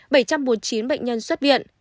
bảy trăm bốn mươi chín bệnh nhân xuất viện